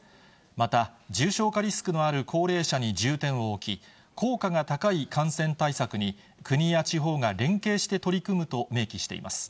また、重症化リスクのある高齢者に重点を置き、効果が高い感染対策に、国や地方が連携して取り組むと明記しています。